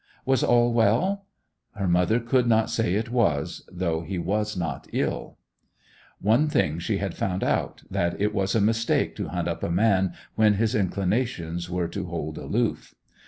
Was all well? Her mother could not say it was; though he was not ill. One thing she had found out, that it was a mistake to hunt up a man when his inclinations were to hold aloof.